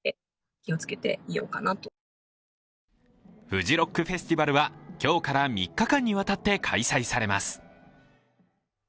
フジロックフェスティバルは今日から３日間にわたって開催されます。